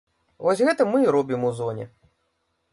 Вось гэта мы і робім у зоне.